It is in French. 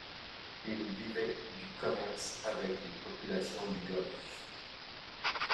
Ils vivaient du commerce avec les populations du golfe.